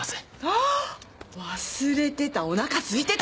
あ忘れてたおなかすいてた！